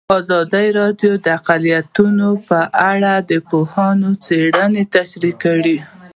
ازادي راډیو د اقلیتونه په اړه د پوهانو څېړنې تشریح کړې.